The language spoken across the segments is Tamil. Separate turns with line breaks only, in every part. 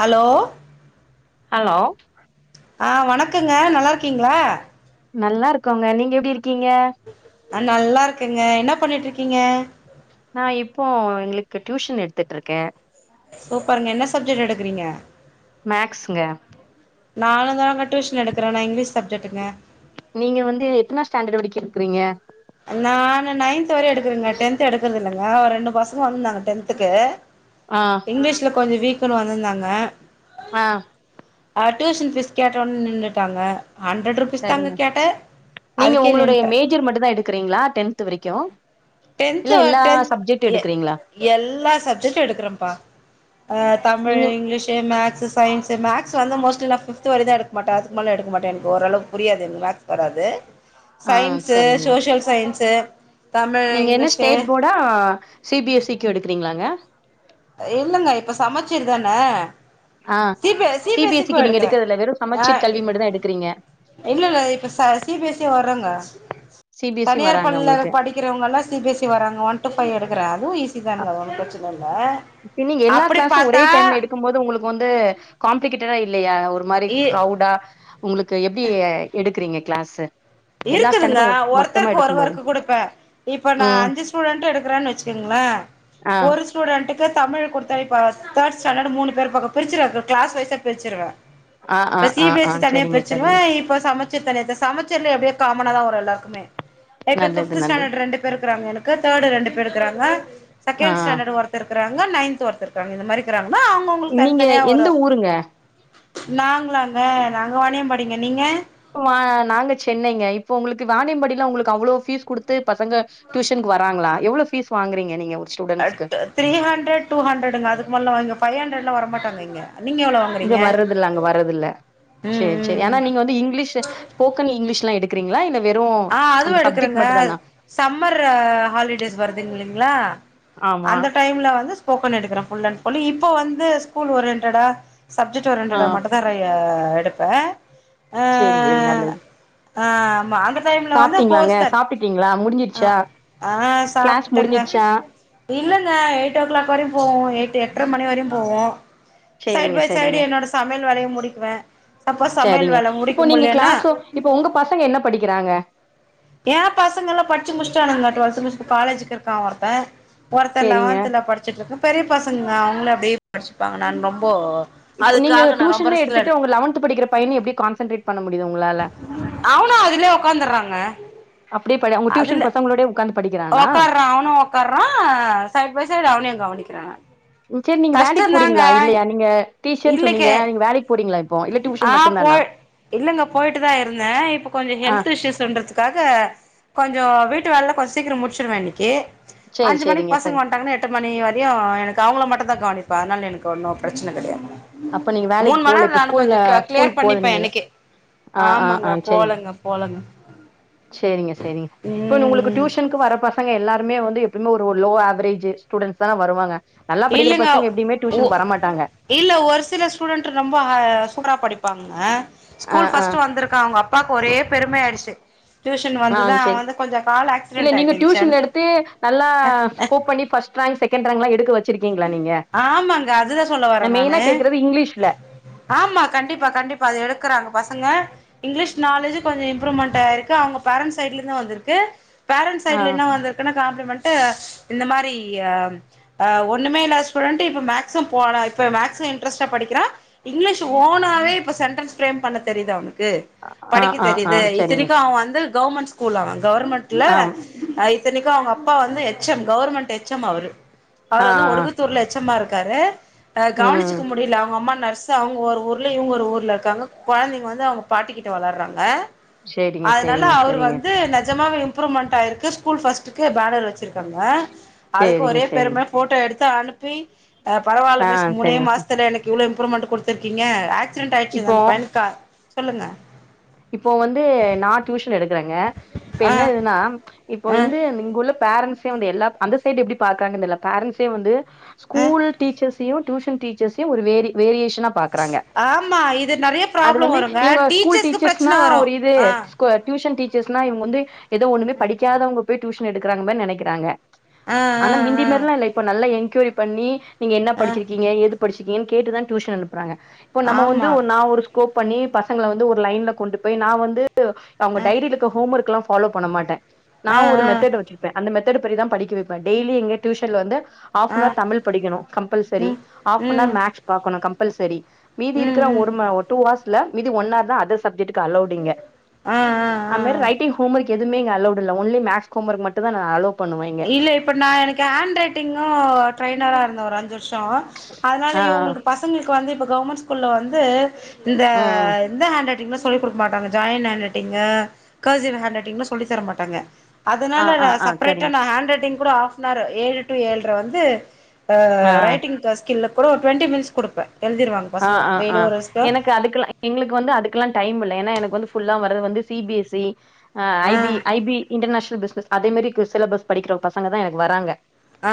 ஹலோ
ஹலோ
ஆ வணக்கங்க நல்லாருக்கீங்ளா
நல்லா இருக்கோங்க நீங்க எப்டி இருக்கீங்க
ஆ நல்லா இருக்கேங்க என்ன பண்ணிட்ருக்கீங்க
நா இப்போ எங்களுக்கு டியூஷன் எடுத்துட்ருக்கே
சூப்பருங்க என்ன சப்ஜெக்ட் எடுக்குறீங்க
மேக்ஸுங்க
நானுந்தாங்க டியூசன் எடுக்கிறே நா இங்லீஷ் சப்ஜெக்டுங்க
நீங்க வந்து எத்தனா ஸ்டாண்டர்ட் வரைக்கு எடுக்குறீங்க
நானு நைன்த் வரையு எடுக்குறேங்க டென்த்து எடுக்குறதில்லங்க ஒரு ரெண்டு பசங்க வந்திருந்தாங்க டென்த்துக்கு
ஆ
இங்லீஷுல கொஞ்ச வீக்குன்னு வந்திருந்தாங்க
ஆ
அ டியூஷன் ஃபீஸ் கேட்டனோனே நின்னுட்டாங்க ஹண்ட்ரட் ரூபீஸ் தாங்க
சரிங்க
கேட்டே அதுக்கே நின்ட்டா
மட்டுந்தா எடுக்குறீங்ளா டென்த்து வரைக்கு இல்ல
டென்த்து
எல்லா
டென்த்
சப்ஜெக்டு
எ
எடுக்குறீங்ளா
எல்லா சப்ஜெக்ட்டு எடுக்குறம்ப்பா அ தமிழ்
நீங்க
இங்கிலீஷு மேக்ஸு சைன்ஸு மேக்ஸு வந்து மோஸ்ட்லி நா ஃபிஃப்த்து வரை தா எடுக்கமாட்டே அதுக்கு மேல எடுக்கமாட்டே எனக்கு‌ ஓரளவுக்கு புரியாது எனக்கு மேக்ஸ் வராது
ஆ
சைன்ஸு
சரிங்க
சோஷியல் சைன்ஸு தமிழ்
நீங்க என்ன
இங்கிலீஷு
ஸ்டேட் போர்டா சி பி எஸ் சி க்கு எடுக்குறீங்களாங்க
இல்லங்க இப்ப சமச்சீருதான
ஆ
ஜூபே சி பி எஸ் இக்கு
சிக்கு நீங்க
எடுக்குறே
எடுக்கறதுல வெறு
அ
சமச்சீர் கல்வி மட்டு தா எடுக்குறீங்க
இல்ல இல்ல இப்ப சா சி பி எஸ் இ வர்றங்க
சி பி எஸ் சி
தனியார்
வராங்க
பள்ளில
உங்களுக்கு
படிக்க இவுங்கல்லா சி பி எஸ் இ வராங்க ஒன் டு ஃபைவ் எடுக்குறே அதுவு ஈஸி தான்ங்க ஒன்னு ப்ரச்சன இல்ல
ஈவ்னிங் எல்லா
அப்படி
க்ளாஸு ஒரே
பாத்தா
டைம்ல எடுக் க்கும் போது உங்களுக்கு வந்து காம்ளி கேட்டடா இல்லையா ஒரு மாரி
இ
க்ரவ்டா உங்களுக்கு எப்டி எடுக்குறீங்க க்ளாஸு
இருக்குதுங்க ஒருத்தருக்கு ஒரு ஓர்க்கு குடுப்பே இப்ப நா
ம்
அஞ்சு ஸ்டுடென்ட்ட எடுக்குறேன் வச்சுக்கங்ளே
ஆ
ஒரு ஸ்டூடெண்டுக்கு தமிழ் குடுத்தே இப்ப தேர்ட் ஸாண்டர்ட் மூணு பேரு பக்கோ பிரிச்சுருவே இப்ப க்ளாஸ் வெய்ஸா பிரிச்சுருவே
ஆ ஆ
இப்ப சி
ஆ
பி
ஆ
எஸ் இ தனியா
சரிங்க
பிரிச்சுருவே
சரிங்க
இப்ப சமச் இப்ப நேத்து சமச்சீர்ல எப்டியு காம்மனா தா வரு எல்லாருக்குமே ஏ இப்ப
நல்லது
பிப்த்
நல்லது
ஸ்டாண்ட்டர்டு ரெண்டு பேரு இருக்குறாங்க எனக்கு க்கு தேர்ட்டு ரெண்டு பேர் இருக்குறாங்க
ஆ
செகண்ட் ஸ்டாண்டர்ட் ஒருத் தர் இருக்குறாங்க நைன்த் ஒருத்தர் இருக்குறாங்க இந்த மாரி இருக்குறாங்கன்ன அவுங்கவுங்களுக்கு தனி
நீங்க
தனியா ஒரு
எந்த ஊருங்க
நாங்களாங்க நாங்க வாணியம்பாடிங்க நீங்க
அ நாங்க சென்னைங்க இப்போ உங்களுக்கு வாானியம்பாடிலா உங்களுக்கு அவ்ளோ பீஸ் குடுத் த்து‌ பசங்க டியூஷனுக்கு வராங்களா எவ்ளோ பீஸ் வாங்குறீங்க நீங்க ஒரு ஸ்டூடெண்ட்ஸ்க்கு
த்த த்ரீ ஹண்ட்ரர் டூ ஹண்ரட்டுங்க அதுக்கு மேலல்லா இங்க பைவ் ஹண்ரட்லா வர மாட்டாங்க இங்க நீங்க எவ்ளோ
இங்க
வாங்குறீங்க
வர்றதுல்ல அங்க வர்றதுல்ல
ம்
சேரி
ம்
சேரிஏனா
ம்
நீங்க வந்து இங்கிலீஷு ஸ்போக்கன் இங்கிலீஷ்லா எடுக் குறீங்ளா இல்ல வெறு
ஆ அதுவு எடுக்குறேங்க சம்மர் ஹாலிடேஸ் வருது இல்லைங்ளா
ஆமா
அந்த டைம்ல வந்து ஸ்போக்கன் எடுக்குறே ஃபுல் அண்ட் ஃபுல் இப்ப வந்து ஸ்கூல் ஒரியன்டடா சப்ஜெக்ட்
ஆ
ஒரியன்டடா மட்டும் நெறையா எடுப்பே ஆ
சேரி சேரி நல்லது
ஆ ஆமா அந்த டைம்ல வந்து
சாப்ட்டீங்ளாங்க
கோர்ஸ் தன்
சாப்ட்டுட்டீங்ளா
ஆ
முடிஞ்சுருச்சா
ஆ
க்ளாஸ்
சாப்ட்டுட்டங்க
முடிஞ்ச்ருச்சா
இல்லங்க எயிட் ஓ க்ளாக் வரையு போவு எட்டு் எட்ர மணி வரையு போவு சைடு
சேரிங்க
பை சைடு
சரிங்க
என்னோட சமையல் வேலையு முடிக்குவே சப்போஸ் சமையல் வேல முடிக்க முட்லேன்னா
இப்ப உங்க பசங்க என்ன படிக்கிறாங்க
ஏ பசங்கல்லா படிச்சு முட்ச்ட்டானுங்க டுவெல்த் முடிச்சுட் காலேஜுக்கு இருக்கா ஒருத்தே ஒருத்தே
சேரிங்க
லெவத்ன்துல படிச்சுட்ருக்கு பெரிய பசங்கள அவுங்களே அப்டியே படிச்சுப்பாங்க நான் ரொம்போ
இப்ப நீங்க
அதுக்காக நா ரொம்ப
டியூஷன்மே
ரிஸ்க்ல எடு
எடுத்துட்டு உங்க லெவன்த் படிக்கிற பையனையு எப்டி கான்சன்ட்ரேட் பண்ண முடியுது உங்களால
அவ்னு அதுலயே உக்காந்துர்றாங்க
அப்டியே போய்டுவே உங்க டியூஷன் பசங்களோடவே உக்காந்து படிக்கிறானா
ஒக்கார்றா அவனு ஒக்கார்றா சைட் பை சைட் அவனையு கவனிக்கிறே நான்
சேர் நீங்க வேலைக்கு போறீங்களா இல்லையா நீங்க டீச்சர்ன்னு சொன்னீங்க
இல்லக்கே
நீங்க வேலைக்கு போறிங்களா இப்
ஆ போய் இல்லங்க போயிட்டு தா இருந்தே இப்ப கொஞ்ச
ஆ
ஹெல்த் இஷ்யூஸுன்றது காக கொஞ்சோ வீட்டு வேலல்ல கொஞ்ச சீக்கரோ முட்ச்சுருவே இன்னைக்கு
சேரி
அஞ்சு மணிக்கு
சேரிங்க
பசங்க
சரி
வன்ட்டாங்க எட் எட்டு மணி வரையு எனக்கு அவுங்கள மட்டு தா கவனிப்பே அதுனால எனக்கு ஒன்னு ப்ரச்சன கெடையாது
அப்ப நீங்க
மூணு
வேலக்குப்
மண்
போல
நேரோ
இப்ப
நானு
ஸ்கூல்
கொஞ்சோ
ஸ்கூல்ல
க கிளியர்
ஸ்கூலுக்கு போல
பண்ணிப்பே
நீங்க எது
எனக்கே
ஆ ஆ
ஆமாங்க
ஆ செரிங்க
போலங்க போலங்க
சேரிங்க செரிங்க இப்போ இன்ன
ம்
உங்களுக்கு
ம்
டியூஷனுக்கு வர பசங்க எல்லாருமே வந்து எப்பையுமே ஒரு லோ ஆவரேஜ் ஸ்டுடென்ட்ஸ் தான வருவாங்க நல்லா படிக்கிற
இல்லங்க
பசங்க எப்டியுமே
ஒ
டியூஷனுக்கு வர மாட்டாங்க
இல்ல ஒரு சில ஸ்டுடென்ட்டு ரொம்ப ஆ சூப்பரா படிப்பாங்க
ஆ
ஸ்கூல்
ஆ
பஸ்ட்டு வந்துருக்கா அவுங்க அப் அப்பாக்கு ஒரே பெருமையாய்டுச்சி
ஆ சேரி இல்ல
ஆக்சிடென்ட்
நீங்க
ஆயிட்டு இருந்துச்சு
டியூஷன்
எனக்கு
எடுத்து நல்லா ஸ்கோப் பண்ணி ஃபஸ்ட் பஸ்டு ரேங்க் செகண்ட் ரேங்க்லாம் எடுக்க வச்சிருக்கீங்களா நீங்க
ஆமாங்க அதுதா சொல்ல
நா
வரே
மெயினா
நானு
கேக்குறது இங்கிலீஷ்ல
ஆமா கண்டிப்பா கண்டிப்பா அது எடுக்குறாங்க பசங்க இங்கிலீஷ் நாலேஜ் கொஞ்சம் இம்ப்ரூவமெண்ட்யிருக்கு அவங்க பேரண்ட் சைடுல இருந்து வந்திருக்கு பேரன்ஸ்
ஆ
சைடுல என்ன வந்திருக்குன்னா காம்ப்ளிமெண்ட் இந்த மாரி் அ ஒண்ணுமே இல்லா ஸ்டுடென்ட் இப்ப மேக்ஸ்சு போடா இப்ப மேக்ஸ்சு இன்டரெஸ்டா படிக்கிறா இங்கிலீஷ் ஓனாவே இப்ப சென்டன்ஸ் பிரேம் பண்ண தெரிதா உனக்கு
ஆ
படிக்க
ஆ ஆ
தெரிது
சரிங்க
இத்தினைக்கும் அவ வந்து கவர்மெண்ட் ஸ்கூல் அவன் கவர்மெண்ட்ல
ஆம்.
ஆ இத்தனிக்கும் அவங்க அப்பா வந்து H M government H M அவரு
ஆ
அவர்
ஆ
ஒடுகுத்தூர்ல எச் எம் ஆ இருக்காரு
ம்
கவனிச்சுக்க முடில அவுங்க அம்மா நர்ஸ் அவுங்க ஒரு ஊரல இவுங்க ஒரு ஊரல இருக்காங்க குழந்தைங்க வந்து அவங்க பாட்டிக்கிட்ட வளறாங்க
சேரிங்க
அதனால
சேரிங்க
அவரு
சேரிங்க
வந்து நஜமாவே இம்ப்ரூவ்மெண்ட் ஆய்ருக்கு ஸ்கூல் பஸ்டுக்கு பேனர் வச்சிருக்காங்க அதுக்கு
சேரிங்க
ஒரே
சேரிங்க
பெரும போட்டோ எடுத்து அனுப்பி பரவால்ல
ஆ
மிஸ் மூனே
சரிங்க
மாசத்துல எனக்கு இவ்ளோ இம்ப்ரூவ்மெண்ட் குடுத்துருக்கிங்க ஆக்சிடெண்ட் ஆய்டுச்சிங்க
இப்போ
அந்த பயலுக்கா சொல்லுங்க
இப்போ வந்து நா டியூஷன் எடுக்கறேங்க இப்ப
ஆ
என்ன எதுன்னா இப்போ
ஆ
வந்து இங்க உள்ள பேரெண்ஸ்சே வந்து எல்லா அந்த சைடு எப்டி பாக்குறாங்கனு தெர்ல பேரண்ஸே வந்து
ஆ
ஸ்கூல் டீச்சர்ஸையும் டியூஷன் டீச்சர்ஸையும் ஒரு வேரி வேரியேஷன
ஆமா இது நெறைய ப்ராப்ளம் வருங்க டீச்சர்ஸ்கு பிரச்
என்னா ஒரு இது டியூசன் டீச்சர்ஸ்னா இவங்க வந்து எதோ ஒண்ணமே படிக்காதவங்க போய் டியூன் எடுக்கறாங்கன்னனு நெனைக்கிறாங்க
ஆ
ஆனா மிந்தி
ஆ
மாதிரில்லாம் இல்ல இப்ப நல்லா என்கோயரி பண்ணி நீங்க என்ன
ஆ ஆ
படிச்சிருக்கீங்க ஏது படிச்சுறிக்கிங்க கேட்டுதா டியூஷன் அனுப்புறாங்க இப்ப நம்ம வந்து
ஆமா
நா ஒரு ஸ்கோப் பண்ணி பசங்கள வந்து ஒரு லைன்ல கொண்டு போய் நா வந்து அவங்க
ஆ
டைரியில இருக்க ஹோம் ஒர்க் எல்லா ப்ஃபாலோ பண்ண மாட்டே நா
ஆ
ஒரு
ஆ
மெத்தடு வச்சிருப்பே அந்த மெத்தடு படிதா தா படிக்க வைப்பே டெய்லி இங்க டியூஷன்ல வந்து
ஆ
ஆஃபனவர் தமிழ் படிக்கணு கம்பல்சரி
ம்
ஆஃபனவர்
ம்
மேக்ஸ் பாக்கணு கம்பல்சரி மீதி
ம்
இருக்கிற
ம்
ஒரு ஒரு டூ ஹார்ஸ்ல மீதி ஒன் ஹார் தா அதர் சப்ஜெக்ட்க்கு அலோடு இங்க
ஆ ஆ
அது மாரி
ஆ
ரைட்டிங் ஹேம்ஒர்க் எதுமே இங்க அலோட்இல்ல ஒன்லீ மேக்ஸ் ஹோம்ஒர்க் மட்டு்தா அலோ பண்ணுவே இங்க
இல்ல இப்போ நா எனக்கு ஹேண்ட் ரைட்டிங்கும் ட்ரெய்னராக இருந்த ஒரு அஞ்சு வருஷோ
ஆ
அதனாலயு இவங்களுக்கு பசங்களுக்கு வந்து இப்ப கவர்மெண்ட் ஸ்கூல்ல வந்து இந்த
ஆ
இந்த ஹாண்ட் சொல்லி கொடுக்க மாட்டாங்க join hand writing cursive hand writing சொல்லித்தர மாட்டாங்க
ஆ
அதனால ர
ஆ ஆ
சப்ரேட்
சரிங்
ஹேண்ட் ரைட்டிங் கூட ஹாஃப்னாரு ஏழு டூ ஏல்ட்ர வந்து ஆ ரைட்டிங் கிளாஸ் ஸ்கில் கூட ஒரு டுவெண்டி மினிட்ஸ் குடுப்ப எழுதிருவாங்க
ஆ
பசங்க
ஆ ஆ
டெய்லி ஒரு ஸ்க
எனக்கு அதுக்குலா எங்களுக்கு வந்து அதுக்கெல்லா டைம் இல்ல ஏன்னா எனக்கு வந்து ஃபுல்லா வரது வந்து சிபிஎஸ்சி ஆ I B I B international business அதே மாதிரி சிலபஸ் படிக்கிற பசங்க தா எனக்கு வராங்க
ஆ ஆ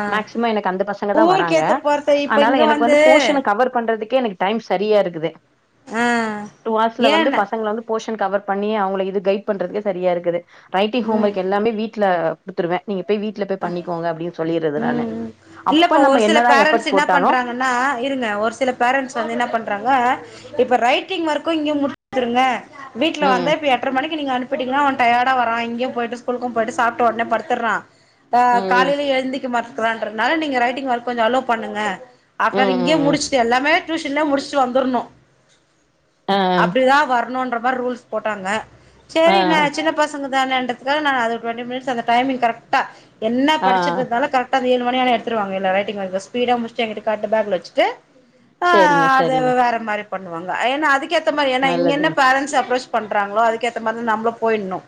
ஆ
மேக்சிமம் எனக்கு அந்த பசங்க தா
ஊருக்கு
வராங்க
ஏத்த போறத்த இப்ப
அதனால
இங்க
எனக்கு வந்து போஷன் கவர் இது பண்றதுக்கே எனக்கு டைம் சரியா இருக்குது
ஆ
டூஹர்ஸ்ல வந்து
ஏன்ன
பசங்கள வந்து போர்ஷன் கவர் பண்ணி அவங்கள இது கைட் பண்றதுக்கே சரியா இருக்குது ரைட்டிங் ஹோம்
ம்
ஒர்க் எல்லாமே வீட் ல குடுத்துருவ நீங்க போய் வீட் ல போய் பண்ணிக்கோங்க அப்டின்னு சொல்லிரது நானு
ம்
அப்ப நம்ம என்னதான் எஃபோட் போட்டாலும்
னா இருங்க ஒரு சில பேரன்ட்ஸ் வந்து என்ன பண்றாங்க இப்ப ரைட்டிங் ஒர்க்கும் இங்க முடி த்துருங்க வீட்ல வந்தா
ம்
இப்ப எட்டர மணிக் கி நீங்க அனுப்பிட்டீங்கனா அவ டயர்டா வரா இங்கயு போயிட்டு ஸ்கூலுக்கு போய்ட்டு சாப்ட்ட ஒடனே படுத்துட்றா ஆ
ம்
காலைல எழுந்திக்க மாட்டன்றான்றதால நீங்க ரைட்டிங் ஒர்க் கொஞ்சோ அலோ பண்ணுங்க அப்பறோ
ம்
அது இங்கயே
ம் ம்
முடிச்சுடு எல்லாமே டியூஷன்லே முடிச்சுட்டு வந்துர்ணு
ஆ
அப்டிதா வரணுன்ற மாரி ரூல்ஸ் போட்டாங்க சேரி
ஆ
என்ன சின்ன பச ங்கதான இன்றதுக்காக நா அது டுவென்டி மினிட்ஸ் அந்த டைமிங் கரக்டா என்ன
ஆ
படிச்சிட்டு இருந்தாலு கரெக்ட் உக்காந்து ஏழு மணியான எடுத்துவாங்க எல்லா ரைட்டிங் ஒர்க்கும் ஸ்பீடா முடிச்சு எங்கிட்ட காட்டு பேக்ல வச்சிட்டு ஆ
சேரிங்க
அத
சரிங்க
வேற மாரி பண்ணுவாங்க ஏன்னா அதுக்கேத்த மாரி ஏன்னா இங்க என்ன
நல்லதுங்க
பேரன்ட்ஸ் அப்ரோச் பண்றாங்களோ அதுக்கேத்த மாரி நம்பளு போயிட்ணு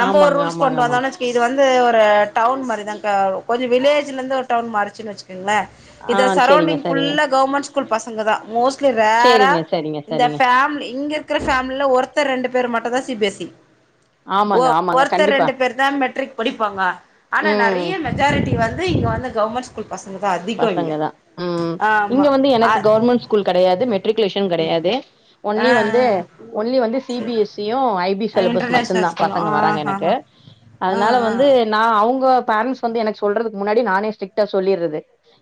நம்ம ஒரு
ஆமாங்க
ரூல்ஸ்
ஆமாங்க
கொண்டு
ஆமாங்க
வந்தோனு வச்சி இது வந்து ஒரு டவுன் மாரிதாங்கா கொஞ்சோ வில்லேஜ்லேந்து ஒரு டவுன் மாறிச்சின்னு வச்சுக்கங்களே
ஆ
இத
சேரிங்க
சரௌண்டிங்
சரிங்க
ஃபுல்லா கவர்மெண்ட் ஸ்கூல் பசங்கதா மோஸ்ட்லி ரேரா
சேரிங்க சரிங்க
இந்த
சரிங்க
ஃபேமிலி இங்க இரு க்கற ஃபேமிலில ஒருத்தர் ரெண்டு பேர் மட்டுந்தா சி பி எஸ் இ ஒ
ஆமாங்க ஆமாங்க
ஒருத்தர்
கண்டிப்பா
ரெண்டு பேர் தா மெட்ரிக் படிப்பாங்க ஆனா
ம்
நறைய மெஜாரிட்டி வந்து இங்க வந்து கவர்மெண்ட் ஸ்கூல் பசங்கதா அதி
பசங்கதா, ம், இங்க வந்து
அ
எனக்கு கவர்மெண்ட் ஸ்கூல் கடையாது, மெட்ரிக்குலேஷன் கடையாது,
ஆ
ஒன்லி வந்து
ஆ
ஒன்லி வந்து சி பி
சரி
எஸ் இ யும், ஐ பி சிலபஸ் மட்டுந்தா
இன்டர்நேஷனல் ஸ்கூல்
பசங்க
ஆ
வராங்க
ஆ
எனக்கு
ஆ
அதனால
ஆ ஆ
வந்து நா அவங்க பேரன்ட்ஸ் வந்து எனக்கு சொல்றதுக்கு முன்னாடி நானே ஸ்ட்ரிக்ட்டா சொல்லிட்றது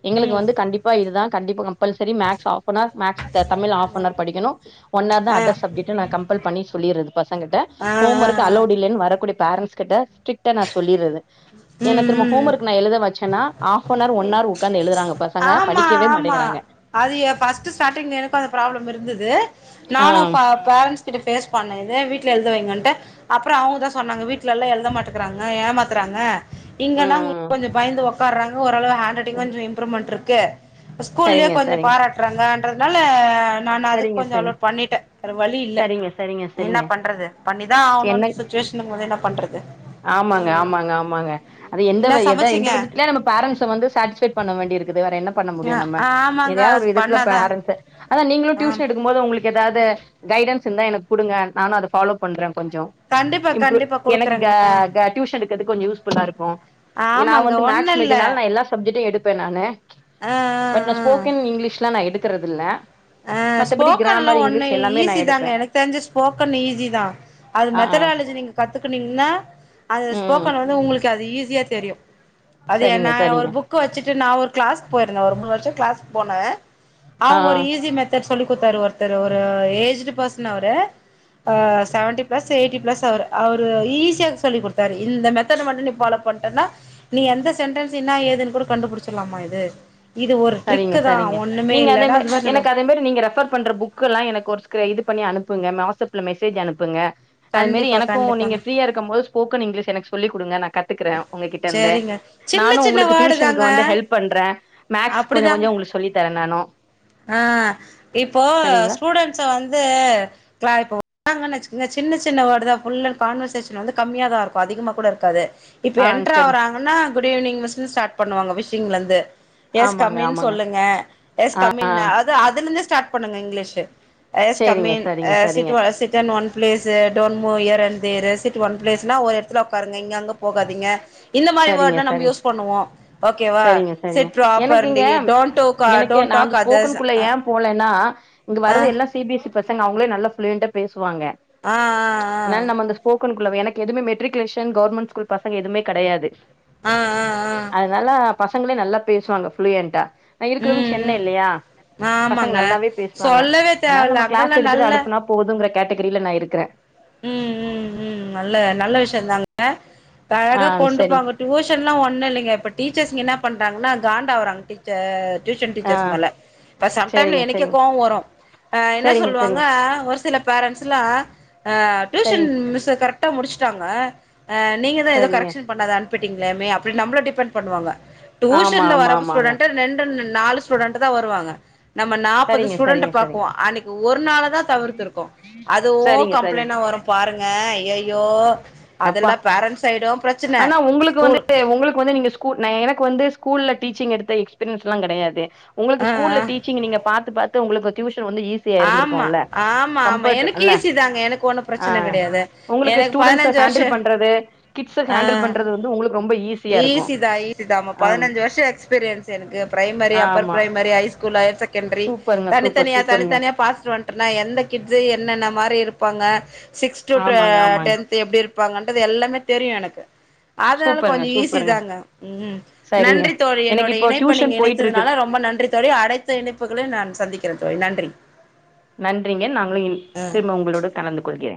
எங்களுக்கு
ம்
வந்து கண்டிப் பா இதுதா கண்டிப்பா compulsory maths half an hour maths Tamil half an hour படிக்கணு ஒன்னார்தா
ஆ
அதர்
ஆ
சப்ஜெக்ட்னு நா கம்பல் பண்ணி சொல்லிட்றது பசங்கள்ட்ட
ஆ
ஹோம் ஒர்க்
ஆ
அல்லோடு இல்லனு வரக்கூடிய பேரண்ட்ஸ் கிட்ட ஸ்ட்ரிக்ட்டா நா சொல்லிட்றது ஏன்னா
ம்
திரும்ப
ம்
ஹோம்
ம்
ஒர்க் நா எழுத வச்சன்னா ஹாஃப்பனார் ஒன்னார் உக்காந்து எழுதுறாங்
ஆமா ஆமா அது எ ஃபஸ்ட் ஸ்டார்டிங் எனக்கு அந்த ப்ராப்ளம் இருந்துது
ஆ
நானு ப பேரன்ட்ஸ் கிட்ட ஃபேஸ் பண்ண இது வீட்ல எழுதவைங்கன்ட்டு அப்பறோ அவங்கதா சொன்னாங்க வீட்டுலலா எழுத மாட்டாங்குறாங்க ஏமாத்துறாங்க இங்கன்னா
ம்
உங்களுக்கு கொஞ்சோ பயந்து உக்காறாங்க ஓரளவு ஹேண்ட் ரைட்டிங் கொஞ்சோ இம்ப்ரூவ்மெண்ட் இருக்கு ஸ்கூல்லயு
சரிங்க
கொஞ்சோ
சரிங்க
பாராட்டுறாங்கன்றதுனால நானு அதுக்கு
சரிங்க
கொஞ்சோ
சரிங்க
அலோடு பண்ணிட்டே வேற வழி இல்ல
சரிங்க சரிங்க
என்ன
சரிங்க
பண்றது பண்ணிதா
என்ன
ஆவனூனு சுச்சுவேஷன் இருக்குபோது என்ன பண்றது
ஆமாங்க ஆமாங்க ஆமாங்க அது எந்த
என்ன
எதா எந்த
சமச்சீங்க
விதத்துலயாது நம்ம பேரன்ட்ஸ் ஸ வந்து சாட்டிஷ்ஃபைட் பண்ண வேண்டி இருக்குது வேற என்ன பண்ண முடியு நம்ம
ஆமாங்க
எதையா ஒரு விதத்துல
பண்ணாதா
பேரன்ட்ஸ அத நீங்களு
ஆ
டியூஷன் எடுக்கும்போது உங்களுக் எதாவது கைடன்ஸ் இருந்தா எனக்கு குடுங்க நானு அத ஃபாலோ பண்ற கொஞ்சோ
கண்டிப்பா, கண்டிப்பா,
க
குடுக்குறேங்க
க டியூஷன் எடுக்கறதுக்கு கொஞ்சோ யூஸ் ஃபுல்லா இருக்கு நா
ஆமாங்க
வந்து
ஒண்ணு
மேக்ஸ்
இல்ல
மேஜர்னால நா எல்லா சப்ஜெக்ட்டும் எடுப்பே நானு
ஆ
பட் நா
ஆ
ஸ்போக்கன் இங்கிலீஷ்லா நா எடுக்கறது இல்ல
அ
மத்தபடி
ஸ்போக்கன்லா
கிராமர்,
ஒண்ணு
இங்கிலீஷ் எல்லாமே நான்
ஈஸி தாங்க
எடுப்பேன்.
எனக்கு தெரிஞ்சு ஸ்போக்கன் ஈஸிதா அது
ஆ, ஆ.
மெத்தடாலஜி நீங்க கத்துக்கினீங்கனா அந்த
ம்.
ஸ்போக்கன் வந்து உங்களுக்கு அது ஈஸியா தெரியு அது எ நா
சரிங்க,
ஒரு
சரிங்க.
புக் வச்சிட்டு நா ஒரு கிளாஸ்க்கு போயிருந்தே ஒரு மூணு வருஷோ கிளாஸ்க்கு போனே அவங்க
ஆ.
ஒரு ஈஸி மெத்தட் சொல்லி குடுத்தாரு ஒருத்தர் ஒரு ஏஜ்டு பர்சன் அவரு ஆ செவன்டி பிளஸ் எயிட்டி பிளஸ் அவர் அவரு ஈஸியா சொல்லி குடுத்தாரு இந்த மெத்தடு மட்டு நீ ஃபாலோ பண்ணிட்டனா நீ எந்த சென்டென்ஸ் என்னா ஏதுன்னு கூட கண்டுபிடிச்சிடலாமா இது இது ஒரு
சரிங்க
ட்ரிக்கு தா
சரிங்க
ஒண்ணுமே
நீங்க அதே
இல்லன்னா அது மாரி
எனக்கு
சொல்லுங்க
அதே மாரி நீங்க ரெஃபர் பண்ற புக் புக்லா எனக்கு ஒரு இது பண்ணி அனுப்புங்க வாடஸ்அப்ல மெசேஜ் அனுப்புங்க அதுமாரி
கண்டிப்பா
எனக்கும் நீங்க
கண்டிப்பாங்க
ஃப்ரீயா இருக்கம் போது ஸ்போக்கன் இங்கிலிஷ் எனக்கு சொல்லி குடுங்கா ந கத் க்கற உங்ககிட்ட இருந்து
சேரிங்க சின்ன
நானு
சின்ன
உங்களுக்கு
வேர்டு
டியூஷனுக்கு
தாங்க
வந்து ஹெல்ப் பண்ற மேக்ஸ் கொஞ்ச
அப்டிதாங்க
கொஞ்ச உங்களுக்கு சொல்லி தர நானு
ஆ இப்போ
சரிங்களா
ஸ்டூடென்ஸ வந்து கா இப்போ [inaudible] ங்கன்னு வச்சுக்கோங்க சின்ன சின்ன வேர்டு தா ஃபுல் அண்ட் கான்வர்சேஷன் வந்து கம்மியாதா இருக்கு அதிகமா கூட இருக்காது இப்போ
ஆ
என்டர்
சரி
ஆறாவங்கன்னா குட்ஈவினிங் மிஸ்னு ஸ்டார் பன்னுவங்க விஷ்ஷிங்ல இருந்து எஸ்
ஆமாங்க
கமின்
ஆமாங்க
சொல்லுங்க
ஆ ஆ
கமீன் அது அதுல இருந்தே ஸ்டார்ட் பண்ணுங்க இங்கிலீஷு எஸ்
சரிங்க
கமீன்
சரிங்க சரிங்க
ஆ sit on one place don't move here and தேரு சிட் ஒன் பிளேஸ்ன்னா ஒரு எடத்துல உக்காருங்க இங்க அங்க போகாதீங்க இந்த மாதிரி
சரிங்க
வோர்ட்தா நம்ம
சரிங்க
யூஸ் பண்ணுவோ ஓகே வா
சரிங்க சரிங்க
சிட்
எனக்கு இங்க
ப்ராப்பர்லி டோன்ட் டூ கார்ட்
எனக்கு
டோன்
நா அந்த
டாக் அதர்ஸ்
ஸ்போக்கனுக்குள்ள ஏ போலன்னா இங்க
அ
வரது எல்லா சி பி எஸ் சி பசங்க அவங்களே நல்லா ஃபுளூயன்டா பேசுவாங்க
ஆ ஆ
அதனால நம்ம அந்த ஸ்போக்கன் குள்ள எனக்கு எதுமே மெட்ரிகுலேஷன் கவர்மெண்ட் ஸ்கூல் பசங்க எதுமே கெடையாது பிளாக்
ஆ ஆ ஆ ஆ
அதனால பசங்களே நல்லா பேசுவாங்க ஃபுளூயண்டா ந இருக்கறவங்க
ம்
சென்னை இல்லையா
ம்
பசங்க
ஆமாங்க
நல்லாவே பேசுவாங்க
சொல்லவே
அதனால நம்ம
தேவல்ல
கிளாஸ்
அங்கெல்லா
எடுத்துட்டு
நல்ல
அனுப்புனா போதுங்கற கேட்டகிரில நா இருக்கற
ம் ம் ம் நல்ல நல்ல விஷயம் தாங்க இப்ப
ஆ
அழக
சரி
கொண்டுப்பாங்க டியூஷன்லா ஒன்னு இல்லைங்க இப்ப டீச்சர்ஸ்ங்க என்ன பண்றாங்கன்னா காண்ட ஆவ்றாங்க ச டியூஷன்
ஆ
டீச்சர்ஸ் மேல இப்ப சம்டைம்
சரிங்க
எனக்கே
சரிங்க
கோவ வரு அ என்ன
சரிங்க
சொல்லுவாங்க
சரிங்க
ஒரு சில பேரண்ட்ஸ்லா அ டியூஷன்
சரிங்க
மிஸ் கரெக்டா முடிச்சட்டாங்க நீங்க தா எதோ
சரிங்க
கரெக்ஷன் பண்ணாத ப்ட்டீங்களாமே அபடி நம்மள டிபெண்ட் பண்ணுவாங்க
ஆமா
டியூஷன்ல வர
ஆமா ஆமாங்க
ஸூடெண்ட ரெண் நாலு ஸ்டுடெண்ட் தா வருவாங்க நம்ம நாப்பது
சரிங்க
ஸ்டூடெண்ட
சரிங்க சரிங்க
பாக்குவோ அன்னைக்கு ஒரு நாளதா தா தவிர்த்துருக்கோ அதுவு
சரிங்க சரிங்க
ப்ளைன்லா வரு பாருங்க அய்யய்யோ
அப்பா
அதெல்லா பேரண்ட் சைடூ பிரச்
ஆனா உங்களுக்கு வந்து உங்களுக்கு வந்து நீங்க எனக்கு வந்து ஸ்கூல்ல டீச்சிங் எடுத்த எக்ஸ்பீரியன்ஸ்ல்லா கெடையாது உங்களுக்கு
ஆ
ஸ்கூல்ல
ஆ
டீச்சி சிங் நீங்க பாத்து பாத்து உங்களுக்கு டியூஷன் வந்து ஈஸி
ஆமா ஆமா ஆமா எனக்கு
இல்ல
ஈசிதாங்க எனக்கு ஒண்ணு
ஆ
பிரச்சன கிடையாது
உங்களுக்கு ஸ்டூடெண்ட்ஸ ஹாண்டில் பண்றது கிட்ஸ
அ
ஹேண்டில் பண்றது வந்து உங்களுக்கு ரொம்ப ஈஸியா இருக்கு
ஈசிதா ஈசி தா ஆமா
ஆம்
பதினஞ்சு வருஷ எக்ஸ்பீரியன்ஸ் எனக்கு பிரைமரி அப்பர்
ஆமா
பிரைமரி ஹை ஸ்கூல்லு ஹயர் செகண்டரி
சூப்பருங்க சூப்பர்
தனித்தனியா தனி
சூப்பருங்க
பாஸ்ட் வன்டனா எந்த கிட்ஸ் என்னென்ன மாரி இருப்பாங்க சிக்ஸ் டு ஆ
ஆமாங்க ஆமாங்க
டென் எப்டி இருப்பாங்கன்றது எல்லாமே தெரியு எனக்கு அதனால
சூப்பருங்க
கொஞ்ச ஈஸி
சூப்பருங்க
தாங்க ம்
சரிங்க
நன்றி தோழி
எனக்கு
என்னோடைய
இப்போ
இணைப்ப
டியூஷன்
நீங்க
போயிட்டு இருக்குது
இணைத்ததுனால ரொம்ப நன்றி தோழி அனைத்து இணைப்புகளையு நா சந்திக்கிற தோழி நன்றி
நன்றிங்க நாங்களு திரும்ப உங்களோடு கலந்து கொள்கிற